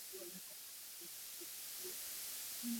Jinsi ya kulima aviazi lishe